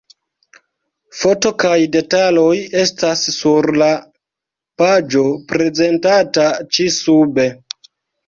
Foto kaj detaloj estas sur la paĝo prezentata ĉi-sube.